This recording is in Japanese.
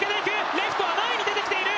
レフトは前に出てきている！